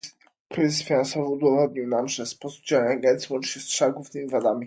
Kryzys finansowy udowodnił nam, że sposób działania agencji łączy się z trzema głównymi wadami